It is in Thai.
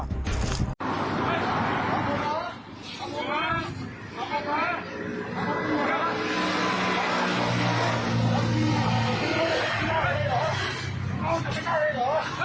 เฮ้ยขอบคุณครับ